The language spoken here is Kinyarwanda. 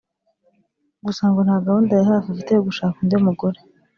gusa ngo nta gahunda ya hafi afite yo gushaka undi mugore